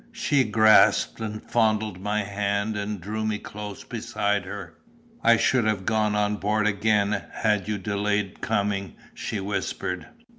She grasped and fondled my hand, and drew me close beside her. "I should have gone on board again had you delayed coming," she whispered.